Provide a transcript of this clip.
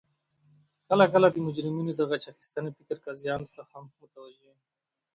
کله کله د مجرمینو د غچ اخستنې فکر قاضیانو ته هم متوجه وي